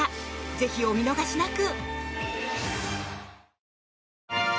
ぜひ、お見逃しなく！